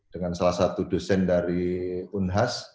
dengan salah satu dosen dari unhas